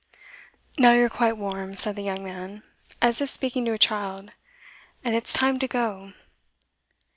'Now you're quite warm,' said the young man, as if speaking to a child, 'and it's time to go.